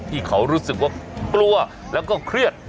ที่เขารู้สึกว่ากลัวแล้วก็เครียด